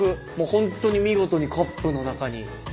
ホントに見事にカップの中に。